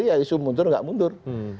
ya isu mundur nggak mundur